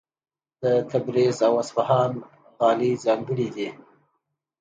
د تبریز او اصفهان غالۍ ځانګړې دي.